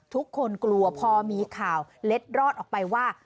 ทุกคนกลัวพอมีข่าวเล็ดรอดออกไปว่า